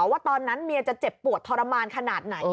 ว่าตอนนั้นเมียจะเจ็บปวดทรมานขนาดไหน